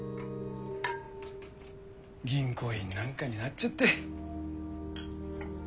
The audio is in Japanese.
銀行員なんかになっちゃって。